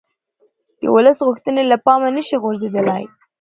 د ولس غوښتنې له پامه نه شي غورځېدلای